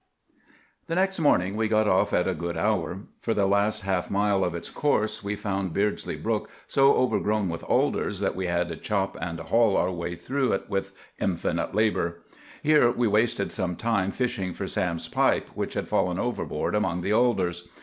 The next morning we got off at a good hour. For the last half mile of its course we found Beardsley Brook so overgrown with alders that we had to chop and haul our way through it with infinite labor. Here we wasted some time fishing for Sam's pipe, which had fallen overboard among the alders.